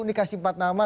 ini kasih empat nama